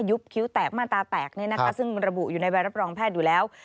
คิ้วแตกมาตาแตกซึ่งระบุอยู่ในใบรับรองแพทย์อยู่แล้ว